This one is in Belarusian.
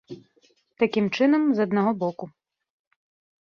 Такім чынам, з аднаго боку.